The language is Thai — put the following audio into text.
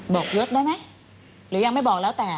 บอกยุทธ์ได้ไหมหรือยังไม่บอกแล้วแต่